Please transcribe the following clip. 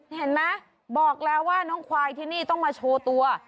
เห็นไหมบอกแล้วว่าน้องควายที่นี่ต้องมาโชว์ตัว